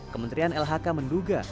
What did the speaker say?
kementerian lhk menduga